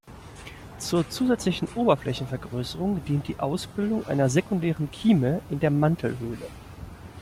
Zur zusätzlichen Oberflächenvergrößerung dient die Ausbildung einer sekundären Kieme in der Mantelhöhle.